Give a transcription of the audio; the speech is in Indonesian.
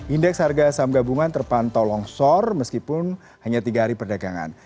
indeks harga saham gabungan terpantau longsor meskipun hanya tiga hari perdagangan